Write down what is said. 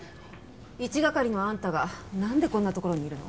１係のあんたがなんでこんな所にいるの？